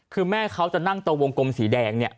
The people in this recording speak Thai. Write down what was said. คือแม่เขาจะนั่งตะวงกลมสีแดงเนี่ย